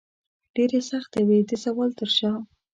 ډیرې سختې وې د زوال تر شاه